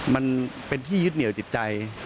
มันเป็นที่ยึดเหนียวจิตใจ